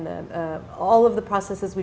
dan semua proses